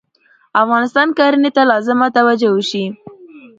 افغانستان کرهنې ته لازمه توجه وشي